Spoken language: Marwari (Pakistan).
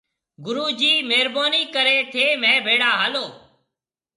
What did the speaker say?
گُرو جِي مهربونِي ڪريَ ٿَي مهيَ ڀيڙا هالو۔